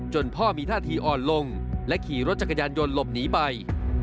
พ่อมีท่าทีอ่อนลงและขี่รถจักรยานยนต์หลบหนีไป